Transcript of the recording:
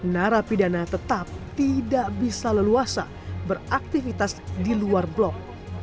narapidana tetap tidak bisa leluasa beraktivitas di luar blok